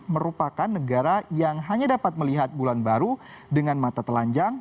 merupakan negara yang hanya dapat melihat bulan baru dengan mata telanjang